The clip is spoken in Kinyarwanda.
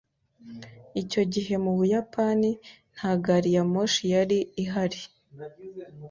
Icyo gihe mu Buyapani nta gari ya moshi yari ihari.